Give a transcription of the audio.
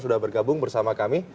sudah bergabung bersama kami